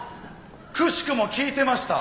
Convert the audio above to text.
くしくも聞いてました。